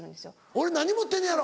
「俺何持ってんのやろ？